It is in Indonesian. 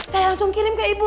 saya langsung kirim ke ibu